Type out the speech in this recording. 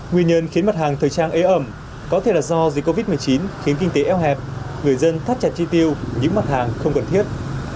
nguyên nhân khiến mặt hàng thời trang ế ẩm có thể là do dịch covid một mươi chín khiến kinh tế eo hẹp người dân thắt chặt chi tiêu những mặt hàng không cần thiết